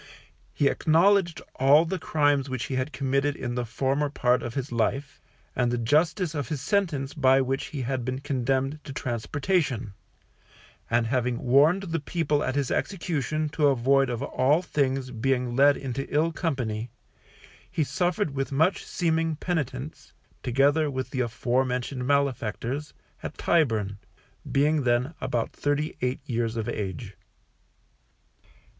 He acknowledged all the crimes which he had committed in the former part of his life, and the justice of his sentence by which he had been condemned to transportation; and having warned the people at his execution to avoid of all things being led into ill company, he suffered with much seeming penitence, together with the afore mentioned malefactors, at Tyburn, being then about thirty eight years of age.